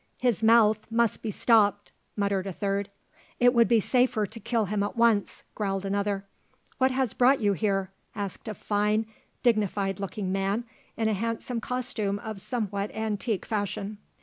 "His mouth must be stopped," muttered a third. "It would be safer to kill him at once," growled another. "What has brought you here?" asked a fine, dignified looking man, in a handsome costume of somewhat antique fashion.